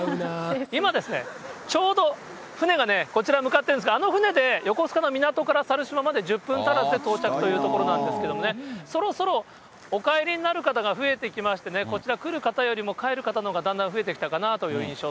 今ですね、ちょうど船がね、こちら向かってるんですが、あの船で横須賀の港から猿島まで１０分足らずで到着というところなんですけどね、そろそろお帰りになる方が増えてきましてね、こちら来る方よりも帰る方のほうがだんだん増えてきたかなという印象。